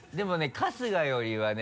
春日よりはね